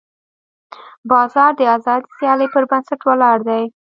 بازار د ازادې سیالۍ پر بنسټ ولاړ دی.